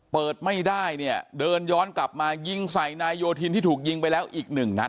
เปิดไม่ได้เนี่ยเดินย้อนกลับมายิงใส่นายโยธินที่ถูกยิงไปแล้วอีกหนึ่งนัด